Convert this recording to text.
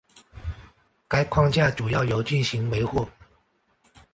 该框架主要由进行维护。